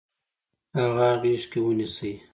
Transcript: هغه غیږ کې ونیسئ.